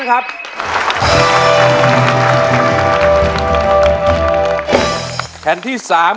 ขอบคุณครับ